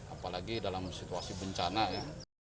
apalagi dalam situasi bencana ya